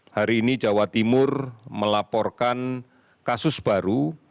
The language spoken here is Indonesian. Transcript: hari ini jawa timur melaporkan kasus baru